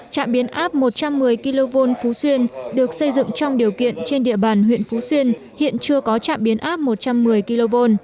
trạm biến áp một trăm một mươi kv phú xuyên được xây dựng trong điều kiện trên địa bàn huyện phú xuyên hiện chưa có trạm biến áp một trăm một mươi kv